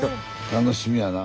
楽しみやな。